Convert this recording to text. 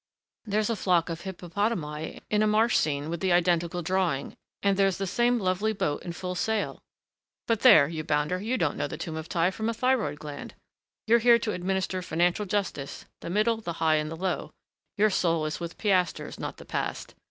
There's a flock of hippopotami in a marsh scene with the identical drawing, and there's the same lovely boat in full sail but there, you bounder, you don't know the Tomb of Thi from a thyroid gland. You're here to administer financial justice, the middle, the high, and the low; your soul is with piasters, not the past.